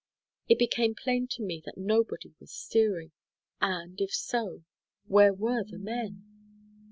It became plain to me that nobody was steering. And, if so, where were the men?